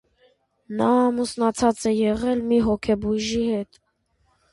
Նա ամուսնացած է եղել մի հոգեբույժի հետ։